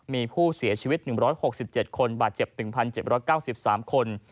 มีผู้เสียชีวิต๑๖๗คนบาดเจ็บ๑๗๙๓คน